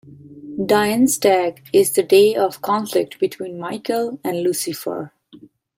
"Dienstag" is the day of conflict between Michael and Lucifer.